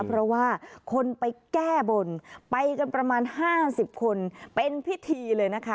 เพราะว่าคนไปแก้บนไปกันประมาณ๕๐คนเป็นพิธีเลยนะคะ